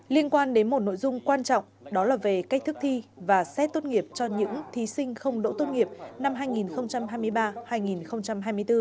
liên quan đến một nội dung quan trọng đó là về cách thức thi và xét tốt nghiệp cho những thí sinh không đỗ tốt nghiệp năm hai nghìn hai mươi ba hai nghìn hai mươi bốn